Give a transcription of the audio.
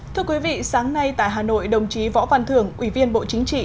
thưa quý vị sáng nay tại hà nội đồng chí võ văn thưởng ủy viên bộ chính trị